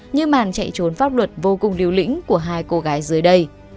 như màn chạy trốn pháp luật vô cùng liều lĩnh của hai cô gái dưới đây